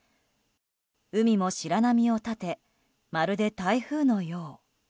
海も白波を立てまるで台風のよう。